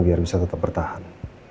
biar bisa tetap bertahan